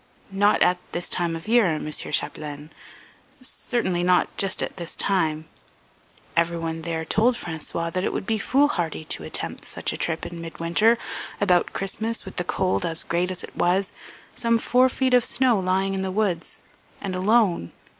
"Not at this time of year, Mr. Chapdelaine, certainly not just at this time. Everyone there told François that it would be foolhardy to attempt such a trip in midwinter, about Christmas, with the cold as great as it was, some four feet of snow lying in the woods, and alone.